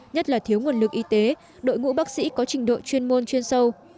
nhất là thiếu nguồn lực y tế đội ngũ bác sĩ có trình độ chuyên môn chuyên sâu